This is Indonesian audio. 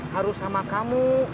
harus sama kamu